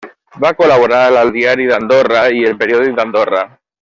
Va col·laborar al Diari d'Andorra i El Periòdic d'Andorra.